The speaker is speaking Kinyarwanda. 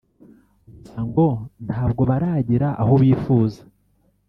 gusa ngo ntabwo baragera aho bifuza